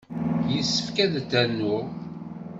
Yessefk ad t-rnuɣ.